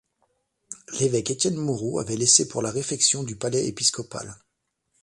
L'évêque Étienne Moreau avait laissé pour la réfection du palais épiscopal.